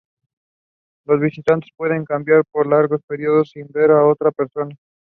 Los visitantes pueden caminar por largos períodos sin ver a otra persona.